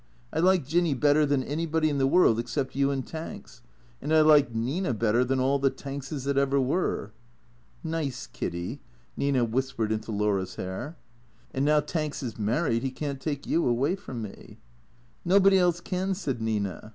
" I like Jinny better than anybody in the world except you and Tanks. And I like Nina better than all the Tankses that ever were." ("Nice Kiddy," Nina whispered into Laura's hair.) " And now Tanks is married, he can't take you away from me. " Nobody else can," said Nina.